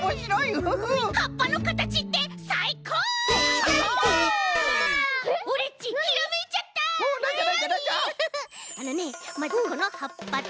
ウフフあのねまずこのはっぱと。